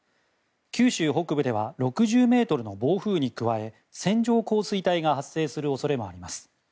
九州北部では６０メートルの暴風に加え線状降水帯が発生する恐れもあります。